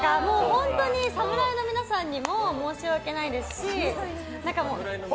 本当に侍の皆さんにも申し訳ないですし。